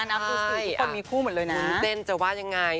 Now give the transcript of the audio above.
ใช่คุณมีคู่หมดเลยนะวุ้นเต้นจะว่ายังไง